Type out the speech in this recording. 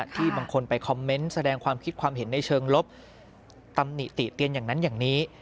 ที่บางคนไปคอมเมนต์แสดงความคิดความเห็นในเชิงลบ